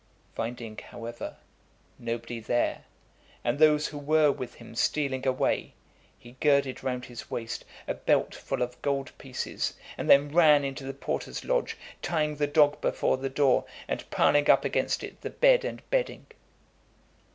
Finding, however, nobody there, and those who were with him stealing away, he girded round his waist a belt full of gold pieces, and then ran into the porter's lodge, tying the dog before the door, and piling up against it the bed and bedding.